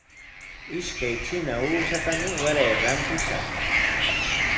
Ishkay trina uushatami waray rantishaq.